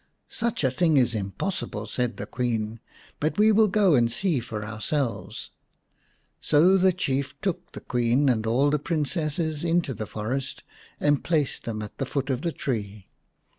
" Such a thing is impossible," said the Queen, "but we will go and see for ourselves." So the Chief took the Queen and all the Princesses into the forest and placed them at the foot of the tree.